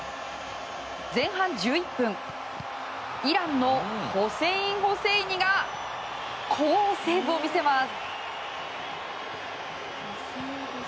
前半１１分、イランのホセイン・ホセイニが好セーブを見せます。